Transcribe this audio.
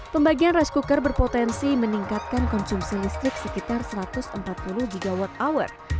pembagian rice cooker berpotensi meningkatkan konsumsi listrik sekitar satu ratus empat puluh gwh